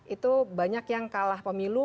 itu banyak yang kalah pemilu